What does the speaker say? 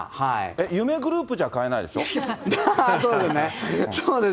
夢グループじゃ買えないでしょう。